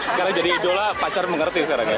sekarang jadi idola pacar mengerti sekarang ya